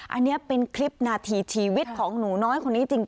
อันนี้เป็นคลิปนาทีชีวิตของหนูน้อยคนนี้จริง